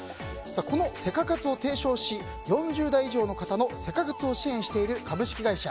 このセカ活を提唱し４０代以上の方のセカ活を支援している株式会社